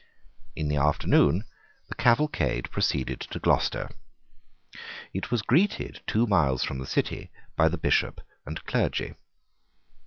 In the afternoon the cavalcade proceeded to Gloucester. It was greeted two miles from the city by the Bishop and clergy.